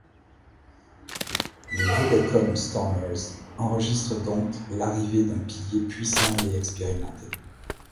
Les Vodacom Stormers enregistrent donc l'arrivée d'un pilier puissant et expérimenté.